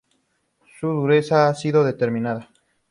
Su dureza no ha sido determinada.